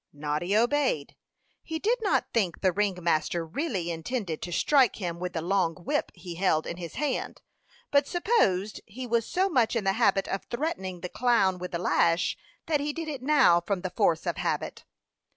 Noddy obeyed. He did not think the ring master really intended to strike him with the long whip he held in his hand, but supposed he was so much in the habit of threatening the clown with the lash, that he did it now from the force of habit.